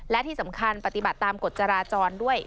และที่สำคัญปฏิบัติตามกฎจราจรด้วย